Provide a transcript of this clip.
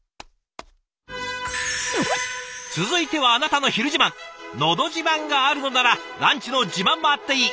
続いては「のど自慢」があるのならランチの自慢もあっていい！